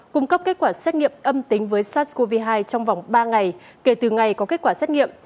cung cấp kết quả xét nghiệm âm tính với sars cov hai trong vòng ba ngày kể từ ngày có kết quả xét nghiệm